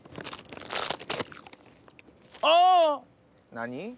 何？